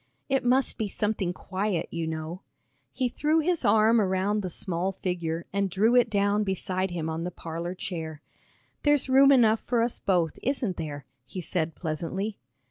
"It must be something quiet, you know." He threw his arm around the small figure and drew it down beside him on the parlor chair. "There's room enough for us both, isn't there?" he said pleasantly.